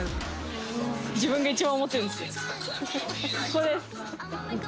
ここです。